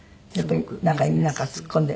中になんか突っ込んで。